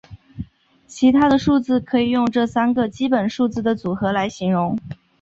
其他的数字可以用这三个基本数字的组合来形容。